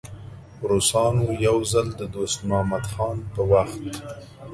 روسانو یو ځل د دوست محمد خان په وخت.